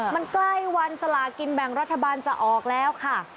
มันใกล้วันสลากินแบ่งรัฐบาลจะออกแล้วค่ะ